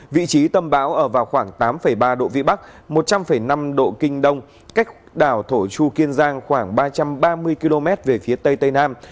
vị trí tâm bão ở vào khoảng tám ba độ vĩ bắc một trăm linh năm độ kinh đông cách đảo thổ chu kiên giang khoảng ba trăm ba mươi km về phía tây tây nam